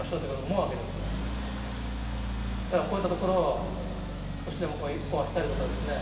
だからこういった所を少しでも壊したりとかですね